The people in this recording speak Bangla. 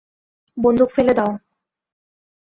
বন্দুক ফেলে দাও!